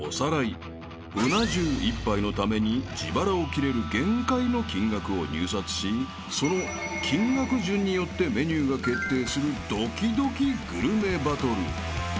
［うな重１杯のために自腹を切れる限界の金額を入札しその金額順によってメニューが決定するドキドキグルメバトル］